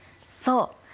そう！